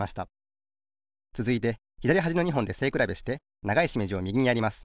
つづいてひだりはじの２ほんでせいくらべしてながいしめじをみぎにやります。